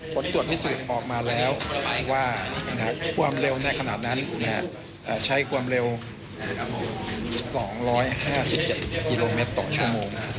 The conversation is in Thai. ผลตรวจพิสูจน์ออกมาแล้วว่าความเร็วในขณะนั้นใช้ความเร็ว๒๕๗กิโลเมตรต่อชั่วโมง